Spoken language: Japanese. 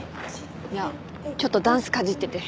いやちょっとダンスかじってて。